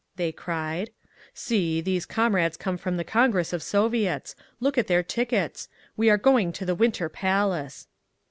they cried. "See, these comrades come from the Congress of Soviets! Look at their tickets! We are going to the Winter Palace!"